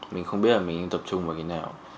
mình không biết là mình tập trung vào cái nào